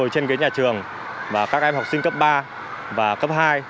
trên ghế nhà trường và các em học sinh cấp ba và cấp hai